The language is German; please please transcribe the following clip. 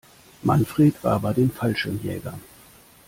Manfred war bei den Fallschirmjägern.